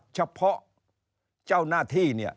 เฉพาะเจ้าหน้าที่เนี่ย